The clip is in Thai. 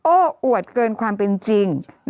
โอ้อวดเกินความเป็นจริง